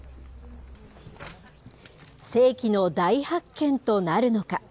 世紀の大発見となるのか。